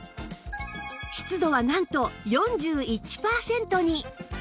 湿度はなんと４１パーセントに！